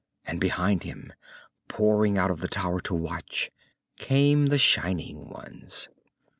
And behind him, pouring out of the tower to watch, came the shining ones.